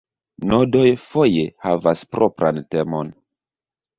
Nodoj foje havas propran temon.